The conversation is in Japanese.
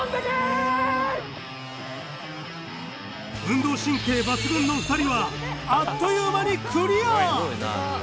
運動神経抜群の２人はあっという間にクリア！